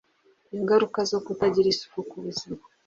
ingaruka zo kutagira isuku ku buzima